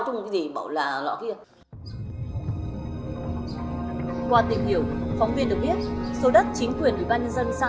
trong cái gì bảo là lõ kia qua tìm hiểu phóng viên được biết số đất chính quyền ủy ban nhân dân xã